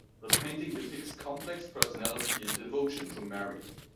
The painting depicts complex personality and devotion to Mary.